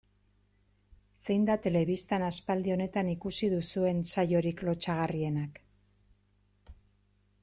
Zein da telebistan aspaldi honetan ikusi duzuen saiorik lotsagarrienak?